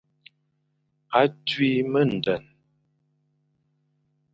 A tui mendene.